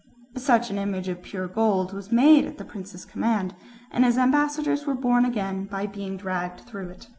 Such an image of pure gold was made at the prince's command, and his ambassadors were born again by being dragged through it.